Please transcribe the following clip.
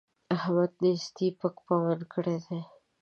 احمد نېستۍ پک پمن کړی دی.